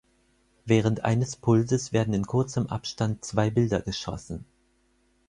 Während eines Pulses werden in kurzem Abstand zwei Bilder geschossen.